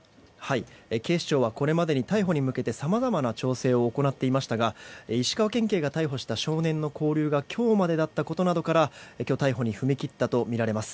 警視庁はこれまでに逮捕に向けて、さまざまな調整を行っていましたが石川県警が逮捕した少年の勾留が今日までだったことから今日逮捕に踏み切ったとみられます。